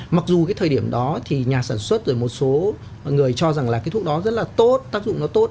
mặc dù cái thời điểm đó thì nhà sản xuất rồi một số người cho rằng là cái thuốc đó rất là tốt tác dụng nó tốt